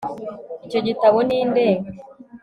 icyo gitabo ni nde